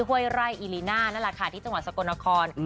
ห้วยไร่อิลิน่านั่นแหละค่ะที่จังหวัดสกลนคร